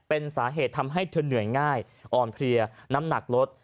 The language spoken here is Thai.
เป็นสาเหตุทำให้เธอเหนื่อยง่ายอ่อนเพลียน้ำหนักลด